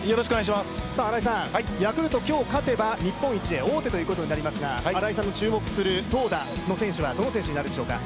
ヤクルト、今日勝てば日本一へ王手となりますが、新井さんの注目する投打の選手はどの選手になるでしょうか？